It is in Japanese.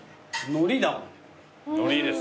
海苔ですね。